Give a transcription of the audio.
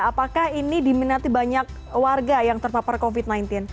apakah ini diminati banyak warga yang terpapar covid sembilan belas